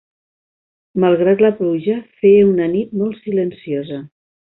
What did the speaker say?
Malgrat la pluja, feia una nit molt silenciosa.